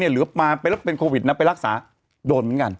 หรือมาเป็นโควิดนะไปรักษาโดนเหมือนกัน